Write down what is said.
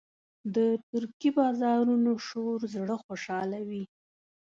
د ترکي بازارونو شور زړه خوشحالوي.